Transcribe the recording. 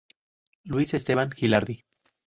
Luis Esteban Gilardi.